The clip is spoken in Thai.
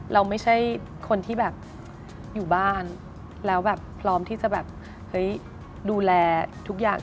เราไม่ใช่คนที่อยู่บ้านแล้วพร้อมที่จะดูแลทุกอย่าง